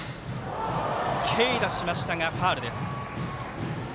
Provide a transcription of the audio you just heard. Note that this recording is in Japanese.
軽打しましたがファウル。